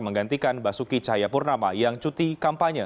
menggantikan basuki cahaya purnama yang cuti kampanye